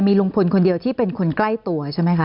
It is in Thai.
ลุงพลคนเดียวที่เป็นคนใกล้ตัวใช่ไหมคะ